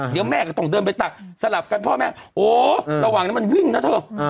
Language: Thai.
เดี๋ยวแม่ก็ต้องเดินไปตักสลับกันพ่อแม่โอ้ระหว่างนั้นมันวิ่งนะเถอะ